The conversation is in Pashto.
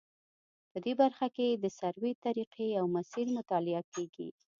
په دې برخه کې د سروې طریقې او مسیر مطالعه کیږي